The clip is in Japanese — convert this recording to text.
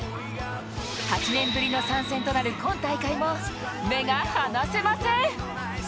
８年ぶりの参戦となる今大会も目が離せません。